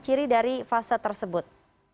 ciri dari fase tersebut